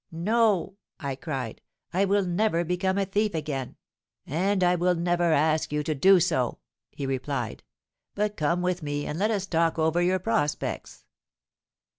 '—'No!' I cried: 'I will never become a thief again!'—'And I will never ask you to do so,' he replied. 'But come with me, and let us talk over your prospects.'